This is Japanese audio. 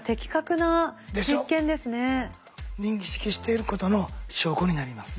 認識していることの証拠になります。